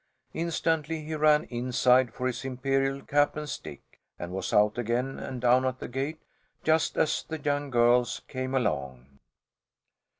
Instantly he ran inside for his imperial cap and stick, and was out again and down at the gate just as the young girls came along.